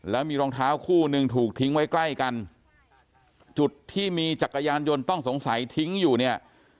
แล้วมีรองเท้าคู่หนึ่งถูกทิ้งไว้ใกล้กันจุดที่มีจักรยานยนต์ต้องสงสัยทิ้งอยู่เนี่ย